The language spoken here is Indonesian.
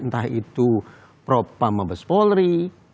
entah itu propama bespolri